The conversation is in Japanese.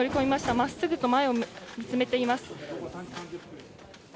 真っすぐと前を見つめています。